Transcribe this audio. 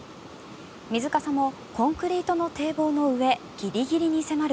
水かさもコンクリートの堤防の上ギリギリに迫る